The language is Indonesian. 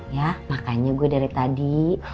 ya makanya gue dari tadi